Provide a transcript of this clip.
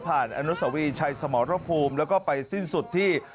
อนุสวรีชัยสมรภูมิแล้วก็ไปสิ้นสุดที่